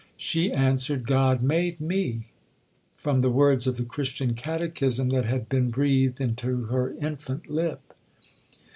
she answered, 'God made me,' from the words of the Christian Catechism that had been breathed into her infant lip.